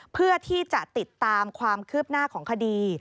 เพื่อที่จะติดตามความคืบหน้าของคดี